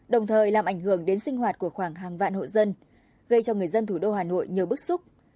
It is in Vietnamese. đồng thời làm ảnh hưởng đến sinh hoạt của khoảng hàng vạn hộ dân gây cho người dân thủ đô hà nội nhiều bức xúc